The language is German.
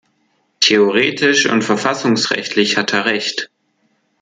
Theoretisch und verfassungsrechtlich hat er recht.